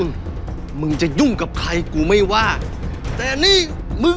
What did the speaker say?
ฉันจะตัดพ่อตัดลูกกับแกเลย